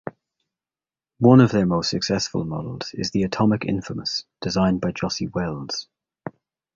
One of their most successful models is the Atomic Infamous designed by Jossi Wells.